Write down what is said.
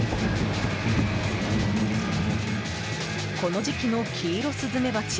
この時期のキイロスズメバチ